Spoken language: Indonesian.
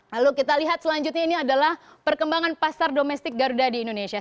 lalu kita lihat selanjutnya ini adalah perkembangan pasar domestik garuda di indonesia